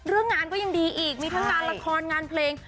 เรื่องงานก็ยังดีอีกมีทั้งงานละครงานเพลง